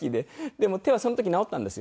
でも手はその時治ったんですよ。